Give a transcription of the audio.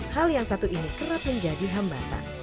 hal yang satu ini kerap menjadi hambatan